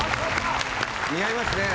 似合いますね。